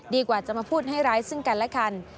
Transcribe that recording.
ดีกว่าจะมาพูดให้ร้ายซึ่งกันและกัน